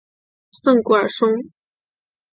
圣古尔松。